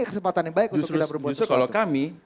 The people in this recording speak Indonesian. kesempatan yang baik untuk kita berbuat sesuatu justru kalau kami